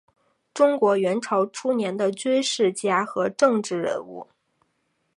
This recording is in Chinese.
中国元朝初年的军事家和政治人物。